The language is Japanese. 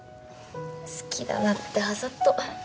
好きだなってあざと。